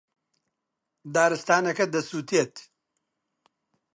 دارستانەکە دەسووتێت.